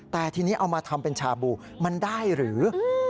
แต่ทีนี้เอามาทำเป็นชาบูมันได้หรือ